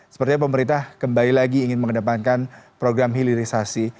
sepertinya pemerintah kembali lagi ingin mengedepankan program hilirisasi